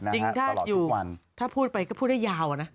จริงถ้าอยู่ถ้าพูดไปก็พูดได้ยาวนะ